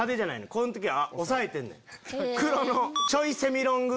この時は抑えてんねん。